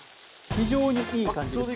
非常にいい感じです。